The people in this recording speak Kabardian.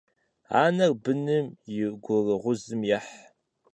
Анэр быным и гурыгъузым ехь.